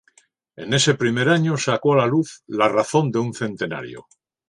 En ese primer año sacó a la luz "La Razón de un Centenario.